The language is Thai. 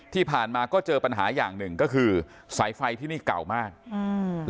ที่ผ่านมาก็เจอปัญหาอย่างหนึ่งก็คือสายไฟที่นี่เก่ามากอืม